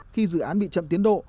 khi dự án bị chậm tiến độ